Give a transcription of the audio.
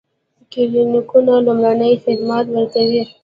کلینیکونه لومړني خدمات ورکوي